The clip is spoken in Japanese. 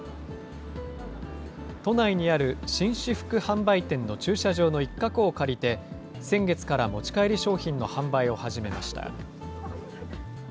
都内にある紳士服販売店の駐車場の一角を借りて、先月から持ち帰り商品の販売を始めました。